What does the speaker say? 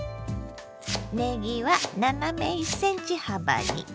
ねぎは斜め１ｃｍ幅に。